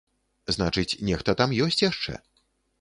Значыць, нехта там ёсць яшчэ.